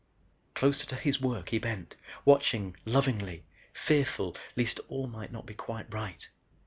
Closer to his work he bent, watching lovingly, fearful least all might not be quite right.